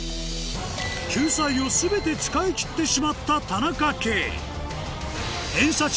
救済を全て使い切ってしまった田中圭